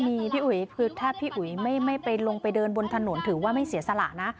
มีพี่อุ๋ยคือถ้าพี่อุ๋ยไม่ไปลงไปเดินบนถนนถือว่าไม่เสียสละนะ